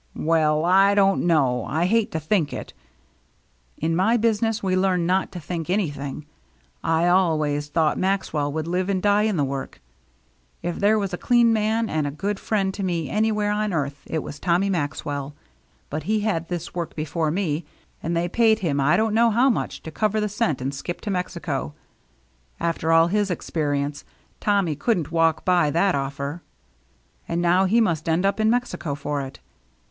"Well, I don't know. I hate to think it." "In my business we learn not to think any thing. I always thought Maxwell would live and die in the work. If there was a clean man and a good friend to me anywhere on earth, it was Tommy Maxwell. But he had this work before me, and they paid him I don't know how much to cover the scent and skip to Mexico. After all his experience. Tommy couldn't walk by that offer, and now he must end up in Mexico for it.